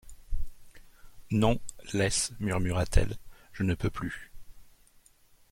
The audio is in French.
Non, laisse, murmura-t-elle, je ne peux plus